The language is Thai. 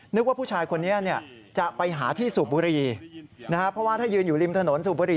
ว่าผู้ชายคนนี้เนี่ยจะไปหาที่สูบบุรีนะครับเพราะว่าถ้ายืนอยู่ริมถนนสูบบุรี